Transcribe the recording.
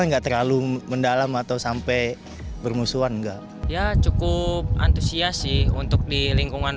enggak terlalu mendalam atau sampai bermusuhan enggak ya cukup antusias sih untuk di lingkungan